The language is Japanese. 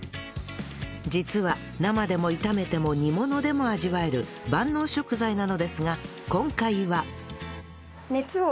実は生でも炒めても煮物でも味わえる万能食材なのですが今回は